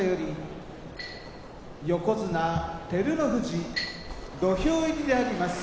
横綱照ノ富士土俵入りであります。